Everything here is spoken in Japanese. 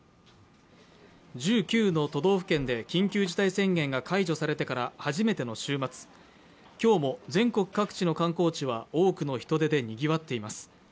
１９の都道府県で緊急事態宣言が解除されてから初めての週末、今日も全国各地の観光地は多くの人出でにぎわっています。